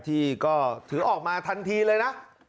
ที่ก็ถือออกมาทันทีเลยนะ